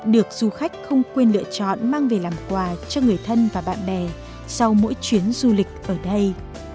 được du khách không quên lựa chọn mang về làm quà cho người thân và bạn bè sau mỗi chuyến du lịch ở đây